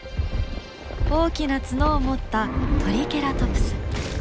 大きな角を持ったトリケラトプス。